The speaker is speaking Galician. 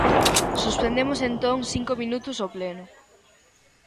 Suspendemos entón cinco minutos o pleno.